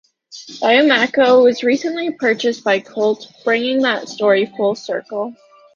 Diemaco was recently purchased by Colt bringing that story full circle.